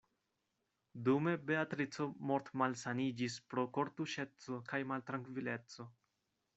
Dume Beatrico mortmalsaniĝis pro kortuŝeco kaj maltrankvileco.